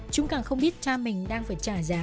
chúng càng không biết cha mình đang phải trả giá